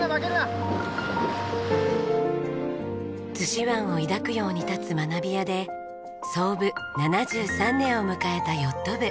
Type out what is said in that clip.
子湾を抱くように立つ学び舎で創部７３年を迎えたヨット部。